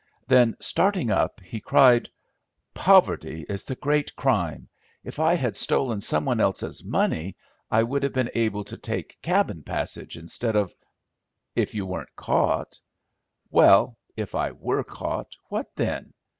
Then, starting up, he cried, "Poverty is the great crime. If I had stolen some one else's money I would have been able to take cabin passage instead of—" "If you weren't caught." "Well, if I were caught, what then?